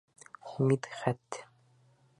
Мидхәт!